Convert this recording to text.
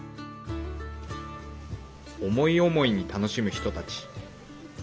思い思いに楽しむ人たち。